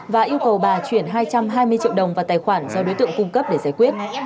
và yêu cầu bà chuyển hai trăm hai mươi triệu đồng vào tài khoản do đối tượng cung cấp để giải quyết